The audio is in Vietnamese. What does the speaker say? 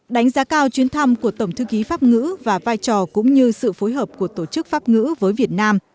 đánh giá cao chuyến thăm của tổng thư ký pháp ngữ và vai trò cũng như sự phối hợp của tổ chức pháp ngữ với việt nam